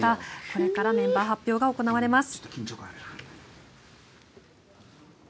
これからメンバー発表が行われます。